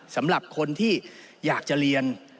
สำหรับคนที่อยากจะเรียน